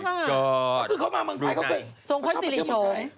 คือเขามาเมืองไทยเขาเป็นโซงคอนซีริโชง